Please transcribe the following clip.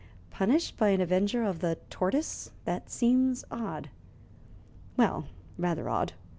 "'Punished by an avenger of the tortoise,' That seems odd." "Well, rather odd.